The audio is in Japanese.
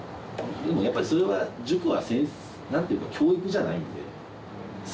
でもやっぱりそれは塾は教育じゃないんで。